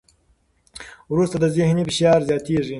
وروسته د ذهن فشار زیاتېږي.